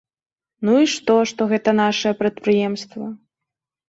Ну і што, што гэта нашае прадпрыемства?